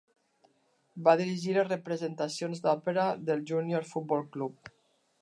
Va dirigir les representacions d'òpera del Júnior Futbol Club.